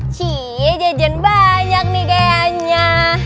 cieee jajan banyak nih kayaknya